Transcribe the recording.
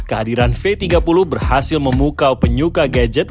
kehadiran v tiga puluh berhasil memukau penyuka gadget